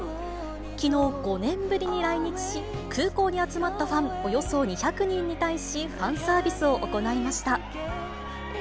きのう、５年ぶりに来日し、空港に集まったファン、およそ２００人に対しファンサービスを行いました。